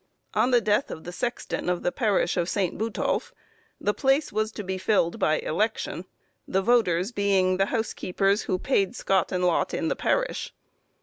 On the death of the sexton of the parish of St. Butolph, the place was to be filled by election, the voters being the housekeepers who "paid Scot and lot" in the parish.